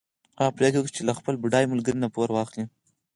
هغه پرېکړه وکړه چې له خپل بډای ملګري نه پور واخلي.